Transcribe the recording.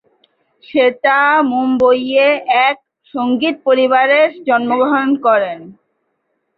শ্বেতা মুম্বইয়ে এক সঙ্গীত পরিবারে জন্মগ্রহণ করেন।